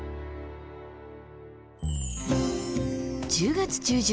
１０月中旬